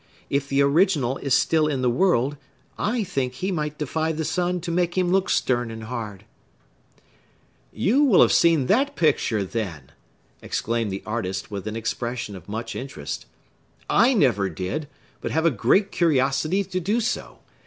If the original is still in the world, I think he might defy the sun to make him look stern and hard." "You have seen that picture, then!" exclaimed the artist, with an expression of much interest. "I never did, but have a great curiosity to do so.